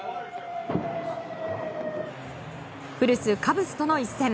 古巣カブスとの一戦。